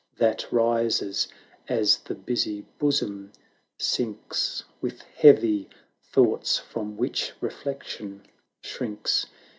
That rises as the busy bosom sinks With heavy thoughts from which Re flection shrinks.